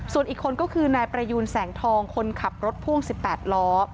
ส่วนอีกคนก็คือนายประยูนแสงทองคนขับรถพ่วง๑๘ล้อ